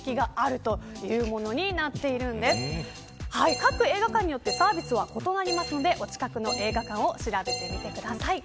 各映画館によってサービスは異なりますのでお近くの映画館を調べてみてください。